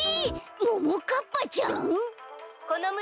ももかっぱちゃん？